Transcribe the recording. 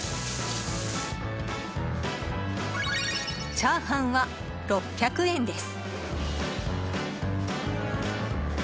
チャーハンは６００円です。